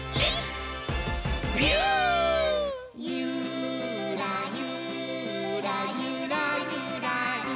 「ゆーらゆーらゆらゆらりー」